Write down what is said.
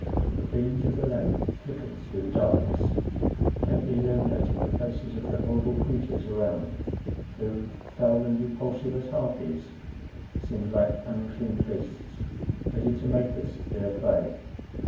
The beams of the lamp flickered through the darkness, faintly illuminating the faces of the horrible creatures around, who, foul and repulsive as harpies, seemed like unclean beasts, ready to make us their prey.